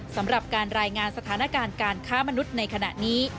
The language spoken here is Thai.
สำหรับการรายงานสถานการณ์การค้ามนุษย์ในขณะนี้